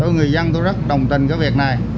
người dân tôi rất đồng tình với việc này